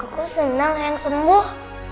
aku senang yang sembuh